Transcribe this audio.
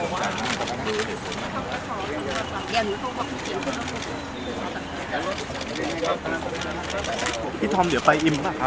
อืมอืมอืมเป็นไงปั๊บเป็นคันต่อด้วยไปไป